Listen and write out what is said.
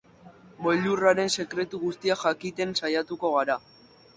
Boilurraren sekretu guztiak jakiten saiatuko gara.